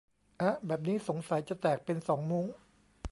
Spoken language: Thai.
อ๊ะ แบบนี้สงสัยจะแตกเป็นสองมุ้ง